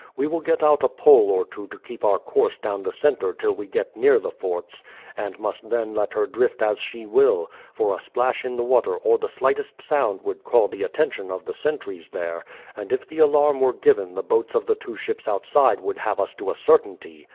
We will get out a pole or two to keep our course down the centre till we get near the forts, and must then let her drift as she will, for a splash in the water or the slightest sound would call the attention of the sentries there, and if the alarm were given the boats of the two ships outside would have us to a certainty.